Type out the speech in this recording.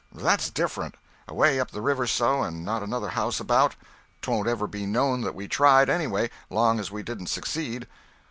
"That's different. Away up the river so, and not another house about. 'Twon't ever be known that we tried, anyway, long as we didn't succeed."